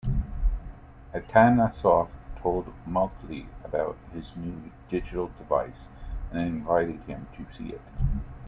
Atanasoff told Mauchly about his new digital device and invited him to see it.